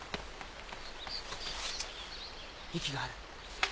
息がある。